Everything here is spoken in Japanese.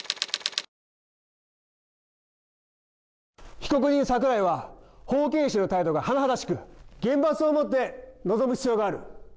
被告人、桜井は、法軽視の態度が甚だしく、厳罰をもって臨む必要がある。